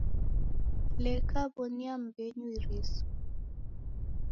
Leka wonia mmbenyu iriso